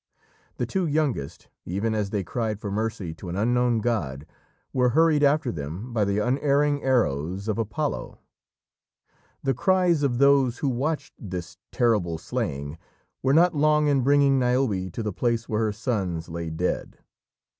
The two youngest, even as they cried for mercy to an unknown god, were hurried after them by the unerring arrows of Apollo. The cries of those who watched this terrible slaying were not long in bringing Niobe to the place where her sons lay dead.